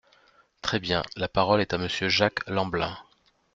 Très bien ! La parole est à Monsieur Jacques Lamblin.